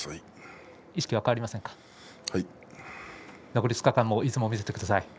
残り２日間もいい相撲を見せてください。